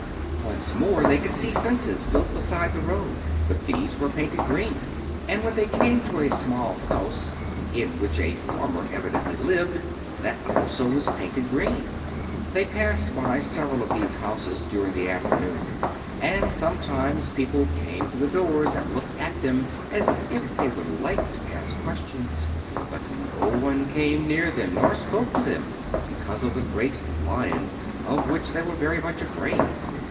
Once more they could see fences built beside the road; but these were painted green, and when they came to a small house, in which a farmer evidently lived, that also was painted green. They passed by several of these houses during the afternoon, and sometimes people came to the doors and looked at them as if they would like to ask questions; but no one came near them nor spoke to them because of the great Lion, of which they were very much afraid.